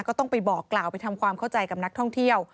ก็ต้องไปบอกกล่าวไปทำความเข้าใจกับนักท่องเที่ยว